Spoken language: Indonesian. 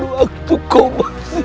waktu kau bersimbahin